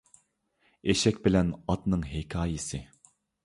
ئېشەك بىلەن ئاتنىڭ ھېكايىسى